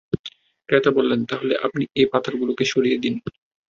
ক্রেতা বললেন, তাহলে আপনি এ পাথরগুলোকে সরিয়ে দিন।